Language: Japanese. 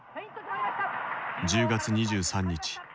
１０月２３日。